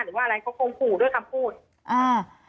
หรือว่าอะไรเขาคงขู่ด้วยคำพูดอ่า